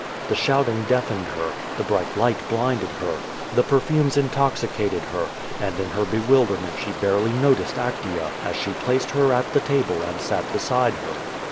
The shouting deafened her; the bright light blinded her; the perfumes intoxicated her, and in her bewilderment she barely noticed Actea as she placed her at the table and sat beside her.